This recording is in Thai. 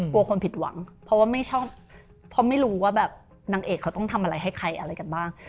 กลัวคนผิดหวังเพราะว่าไม่ชอบเพราะไม่รู้ว่าแบบนางเอกเขาต้องทำอะไรให้ใครอะไรกันบ้าง